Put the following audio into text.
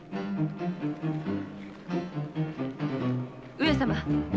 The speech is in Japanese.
上様。